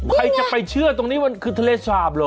ใครจะไปเชื่อตรงนี้มันคือทะเลสาบเหรอ